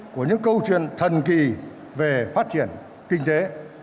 của những câu chuyện thần kỳ về phát triển kinh tế